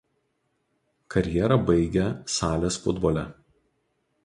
Karjerą baigia salės futbole.